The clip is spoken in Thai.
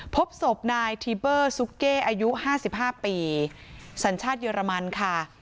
พบศพนายทีเบอร์ซุกเก้อายุ๕๕ปีสัญชาติเยอรมันค่ะ